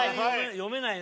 読めないね。